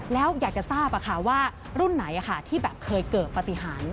แล้วอยากจะทราบว่ารุ่นไหนที่แบบเคยเกิดปฏิหาร